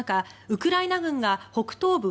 ウクライナ軍が北東部